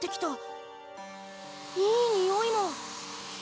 いいにおいも。